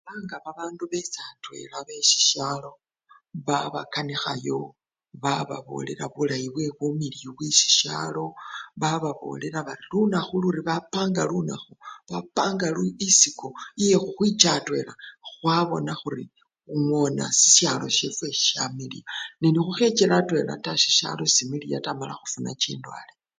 balanga babandu becha atwela besisyalo babakanikhayo bababolela bulay bumiliyu bwesisyali, bababolela bari lunakhu luri bapanga lunakhu, bapanga isiku yekhukhwicha atwela khwabona khuri khungona sisyalo syefwe syamiliya nenekhukhechele atwela taa sisyalo sesimiliya taa mala khufuna chindwale.